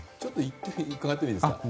伺ってもいいですか。